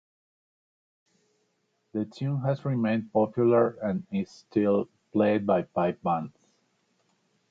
The tune has remained popular and is still played by pipe bands.